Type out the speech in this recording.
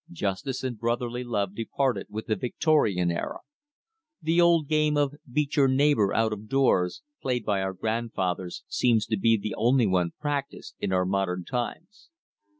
Justice and brotherly love departed with the Victorian era. The old game of "Beat your neighbour out of doors," played by our grandfathers, seems to be the only one practised in our modern times.